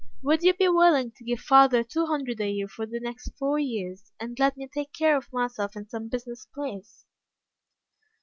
"Would you be willing to give father two hundred a year for the next four years, and let me take care of myself in some business place?"